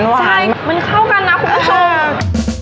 ใช่มันเข้ากันนะคุณผู้ชม